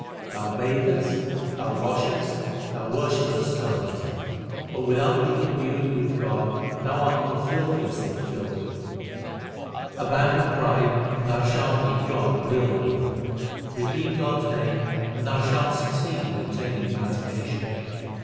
Thou bathest, and washest, and worshippest stones, But without being imbued with God thou art the filthiest of the filthy. Abandon pride, and thou shalt meet God the real wealth. Repeat God s name, and thou shalt succeed in obtaining emancipation.